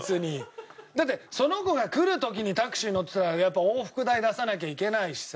だってその子が来る時にタクシーに乗ってたらやっぱ往復代出さなきゃいけないしさ。